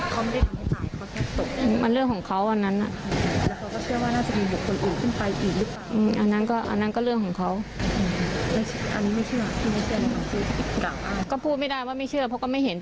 เขาบอกว่าเขาไม่ได้กลับให้ตัดเขาแค่ตก